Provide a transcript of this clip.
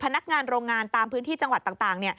พนักงานโรงงานตามพื้นที่จังหวัดต่าง